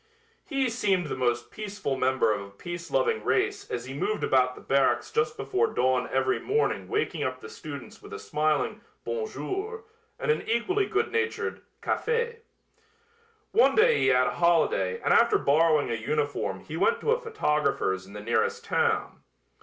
Hy seemed the most peaceful member of a peace loving race as he moved about the barracks just before dawn every morning waking up the students with a smiling "Bon jour" and an equally good natured "Café." One day he had a holiday and after borrowing a uniform he went to a photographer's in the nearest town.